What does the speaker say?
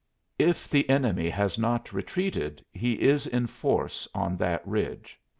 If the enemy has not retreated he is in force on that ridge.